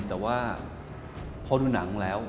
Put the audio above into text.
แต่ว่าพอดูหนังแล้ว